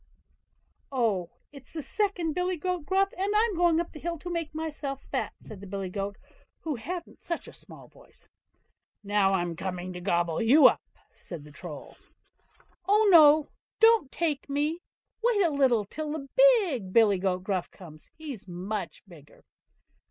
"Oh! it's the second billy goat Gruff, and I'm going up to the hill side to make myself fat", said the billy goat, who hadn't such a small voice. "Now, I'm coming to gobble you up", said the Troll. "Oh, no! don't take me, wait a little till the big billy goat Gruff comes, he's much bigger."